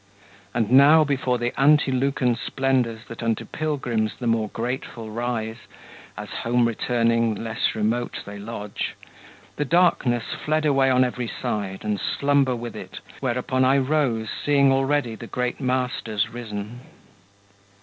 And now before the antelucan splendours That unto pilgrims the more grateful rise, As, home returning, less remote they lodge, The darkness fled away on every side, And slumber with it; whereupon I rose, Seeing already the great Masters risen.